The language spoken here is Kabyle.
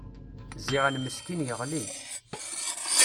Ziɣen meskin yeɣli.